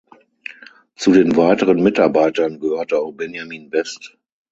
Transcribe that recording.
Zu den weiteren Mitarbeitern gehörte auch Benjamin Best.